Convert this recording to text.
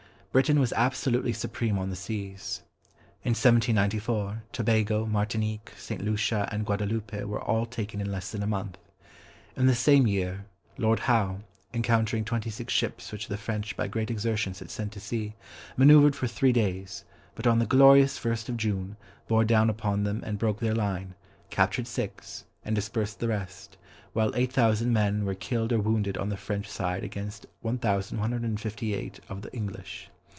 Britain was absolutely supreme on the seas. In 1794, Tobago, Martinique, St. Lucia, and Guadaloupe were all taken in less than a month. In the same year, Lord Howe, encountering twenty six ships which the French by great exertions had sent to sea, manœuvred for three days, but on the "glorious first of June" bore down upon them and broke their line, captured six, and dispersed the rest, while 8000 men were killed or wounded on the French side against 1158 of the English.